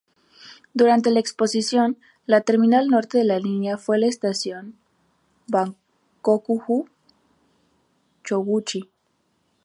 Durante la exposición, la terminal norte de la línea fue la estación Bankokuhaku-chūōguchi.